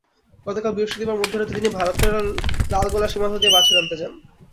গতকাল বৃহস্পতিবার মধ্যরাতে তিনি ভারতের লালগোলা সীমান্ত দিয়ে বাছুর আনতে যান।